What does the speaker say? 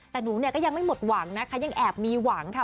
แต่หนูเนี่ยก็ยังไม่หมดหวังนะคะยังแอบมีหวังค่ะ